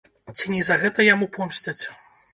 Ці не за гэта яму помсцяць?